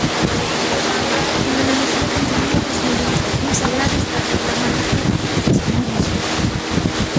En Andalucía continúan as mobilizacións agrarias para reclamar uns prezos xustos en orixe.